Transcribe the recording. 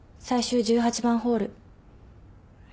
最終１８番ホール。